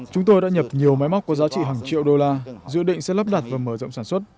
chúng tôi đã nhập nhiều máy móc có giá trị hàng triệu đô la dự định sẽ lắp đặt và mở rộng sản xuất